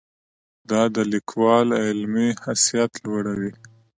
دا د لیکوال علمي حیثیت لوړوي.